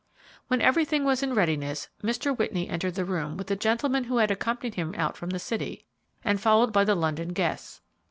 When everything was in readiness, Mr. Whitney entered the room with the gentleman who had accompanied him out from the city and followed by the London guests.